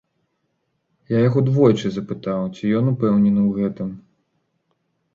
Я яго двойчы запытаў, ці ён упэўнены ў гэтым.